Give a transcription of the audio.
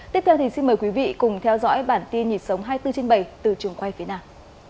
tiếp theo thì xin mời quý vị cùng theo dõi bản tin nhịp sống hai mươi bốn trên bảy từ trường quay phía nam